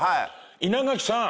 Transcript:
稲垣さん。